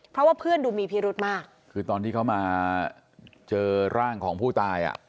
เพราะว่าเพื่อนดูมีพิรุธมากคือตอนที่เขามาเจอร่างของผู้ตายอ่ะ